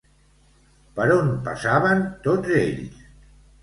Per on passaven tots ells?